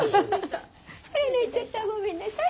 あら泣いちゃったごめんなさい。